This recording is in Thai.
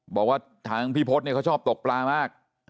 บอกว่าทางพี่พศเนี่ยเขาชอบตกปลามาก